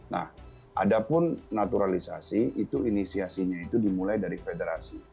nah ada pun naturalisasi itu inisiasinya itu dimulai dari federasi